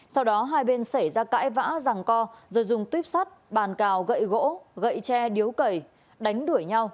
sau đó hai bên xảy ra cãi vã rằng co rồi dùng tuyếp sắt bàn cào gậy gỗ gậy tre điếu cầy đánh đuổi nhau